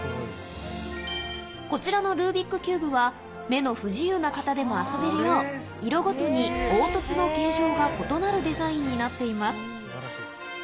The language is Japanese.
こちらのルービックキューブは、目の不自由な方でも遊べるよう、色ごとに凹凸の形状が異なるデザインになっています。